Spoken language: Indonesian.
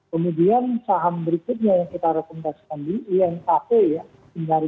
kemudian saham berikutnya yang kita rekomendasikan di inkp ya